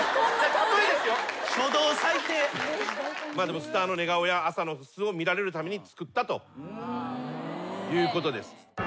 まあでもスターの寝顔や朝の素を見られるために作ったということです。